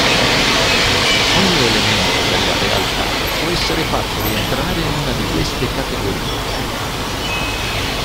Ogni elemento della realtà può essere fatto rientrare in una di queste categorie.